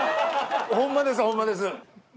ホンマですホンマです。